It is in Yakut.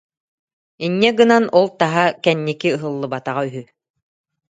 Инньэ гынан ол таһа кэнники ыһыллыбатаҕа үһү